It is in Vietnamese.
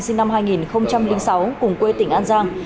sinh năm hai nghìn sáu cùng quê tỉnh an giang